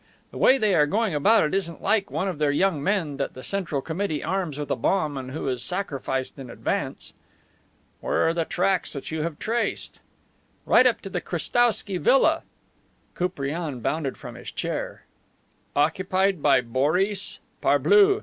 The way they are going about it isn't like one of their young men that the Central Committee arms with a bomb and who is sacrificed in advance." "Where are the tracks that you have traced?" "Right up to the little Krestowsky Villa." Koupriane bounded from his chair. "Occupied by Boris. Parbleu!